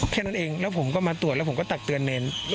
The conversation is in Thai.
แค่นั้นเองแล้วผมก็มาตรวจแล้วผมก็ตักเตือนเนร